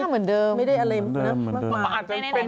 เหมือนเดิมเหมือนเดิมเหมือนเดิมเหมือนเดิมไม่ได้อะไรมากกว่า